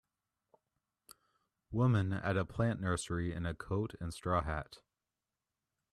Woman at a plant nursery in a coat and straw hat.